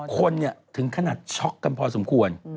คนถึงขนาดช็อกกันพอสมควร